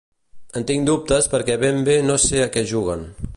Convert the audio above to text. En tinc dubtes perquè ben bé no sé a què juguen.